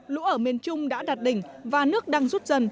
lũ ở miền trung đã đạt đỉnh và nước đang rút dần